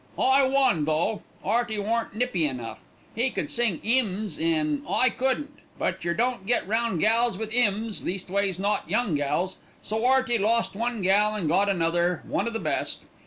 "I won, though; 'Earty warn't nippy enough. 'E could sing 'ymns an' I couldn't; but yer don't get round gals with 'ymns, leastways not young gals. So 'Earty lost one gal an' got another, one of the best."